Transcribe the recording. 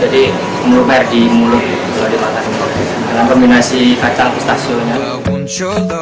jadi lumer di mulut dalam kombinasi kacang pistachio